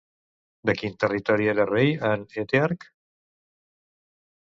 De quin territori era rei en Etearc?